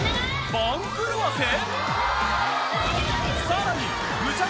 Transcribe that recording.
［さらに］